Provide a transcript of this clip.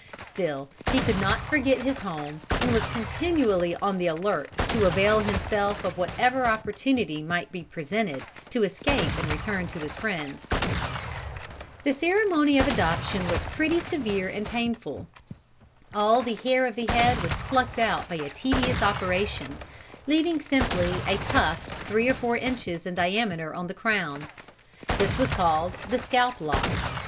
Still he could not forget his home, and was continually on the alert to avail himself of whatever opportunity might be presented to escape and return to his friends. The ceremony of adoption was pretty severe and painful. All the hair of the head was plucked out by a tedious operation, leaving simply a tuft three or four inches in diameter on the crown. This was called the scalp lock.